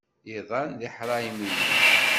Iḍan d iḥṛaymiyen.